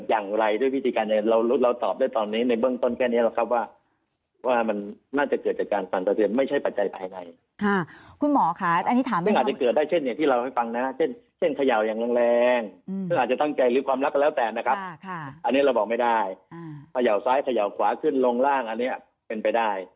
อันนี้เราบอกไม่ได้ขย่าวซ้ายขย่าวขวาขึ้นลงล่างอันนี้เป็นไปได้